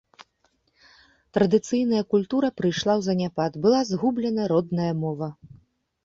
Традыцыйная культура прыйшла ў заняпад, была згублена родная мова.